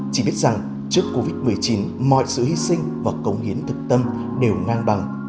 chỉ biết rằng trước covid một mươi chín mọi sự hy sinh và cống hiến thực tâm đều ngang bằng